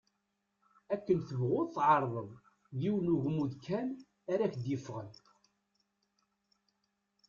Akken tebɣuḍ tεerḍeḍ, d yiwen ugmuḍ kan ara d-yeffɣen.